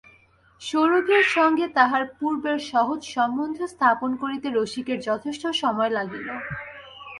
সৌরভীর সঙ্গে তাহার পূর্বের সহজ সম্বন্ধ স্থাপন করিতে রসিকের যথেষ্ট সময় লাগিল।